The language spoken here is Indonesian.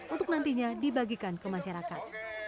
untuk nantinya dibagikan ke masyarakat